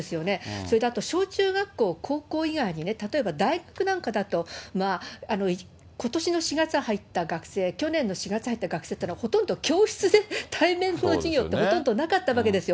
それとあと小中学校、高校以外にね、例えば大学なんかだと、ことしの４月入った学生、去年の４月入った学生というのは、ほとんど教室で対面の授業ってほとんどなかったわけですよ。